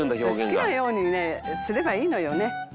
「好きなようにねすればいいのよね」